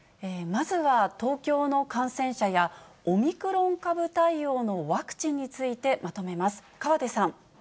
まずは東京の感染者や、オミクロン株対応のワクチンについてまとめます。